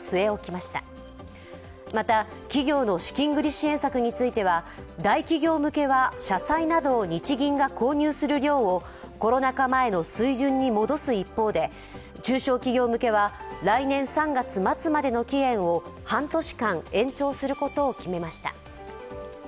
また企業の資金繰り支援策については、大企業向けは社債などを日銀が購入する量をコロナ禍前の水準に戻す一方で、中小企業向けは来年３月末までの期限を半年間延長することを決めました。